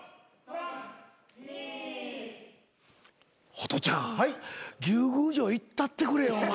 ホトちゃん牛宮城行ったってくれよお前。